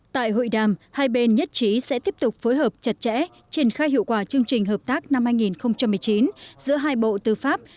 tại hội đàm hai bên nhất trí sẽ tiếp tục phối hợp chặt chẽ triển khai hiệu quả chương trình hợp tác năm hai nghìn một mươi chín giữa hai bộ tư pháp